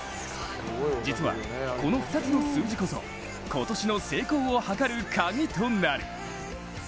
実はこの２つの数字こそ今年の成功を図る鍵となる。